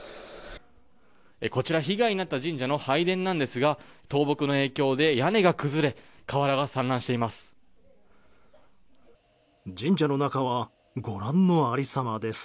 こちら被害があった神社の拝殿なんですが倒木の影響で屋根が崩れ瓦が散乱しています。